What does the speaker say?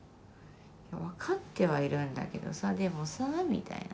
「いや分かってはいるんだけどさでもさ」みたいな。